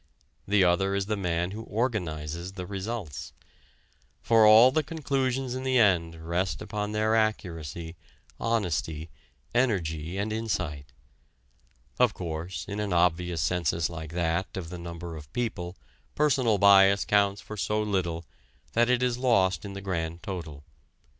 The other is the man who organizes the results. For all the conclusions in the end rest upon their accuracy, honesty, energy and insight. Of course, in an obvious census like that of the number of people personal bias counts for so little that it is lost in the grand total.